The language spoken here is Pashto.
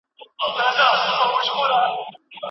د علم پرمختګ د ټولنیزو نظریاتو ولکه کوي.